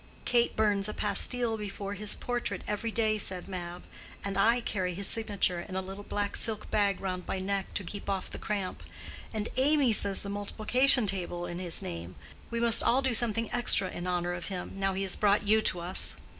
"Kate burns a pastille before his portrait every day," said Mab. "And I carry his signature in a little black silk bag round my neck to keep off the cramp. And Amy says the multiplication table in his name. We must all do something extra in honor of him, now he has brought you to us."